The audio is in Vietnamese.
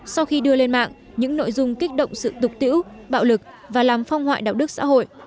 sau khi đưa lên mạng những nội dung kích động sự tục tiễu bạo lực và làm phong hoại đạo đức xã hội